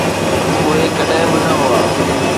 اهي ڪڏهن به نه هئا.